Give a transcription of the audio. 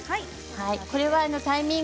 これはタイミング